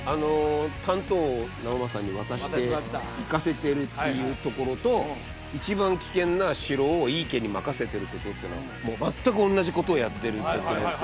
短刀を直政に渡して行かせてるっていうところと一番危険な城を井伊家に任せてることっていうのはもう全く同じことをやってると思うんですよ